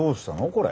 これ。